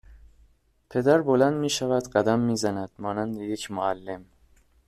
پدر بلند میشود قدم میزند مانند یک معلم